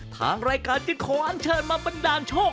ทางรายการจึงขออันเชิญมาบันดาลโชค